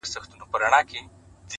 هغه خاموسه شان آهنگ چي لا په ذهن کي دی